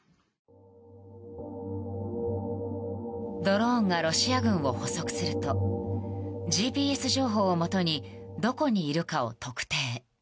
ドローンがロシア軍を捕捉するとＧＰＳ情報をもとにどこにいるかを特定。